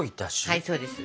はいそうです。